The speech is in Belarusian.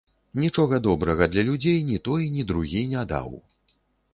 Нічога добрага для людзей ні той, ні другі не даў.